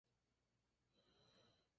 Su etimología es controvertida.